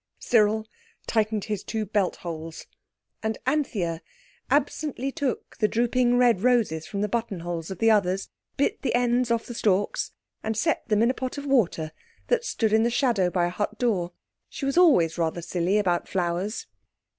Cyril tightened his belt two holes. And Anthea absently took the drooping red roses from the buttonholes of the others, bit the ends of the stalks, and set them in a pot of water that stood in the shadow by a hut door. She was always rather silly about flowers.